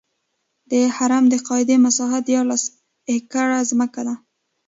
د هرم د قاعدې مساحت دیارلس ایکړه ځمکه ده.